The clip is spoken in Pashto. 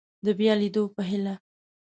د بیا لیدو په هیله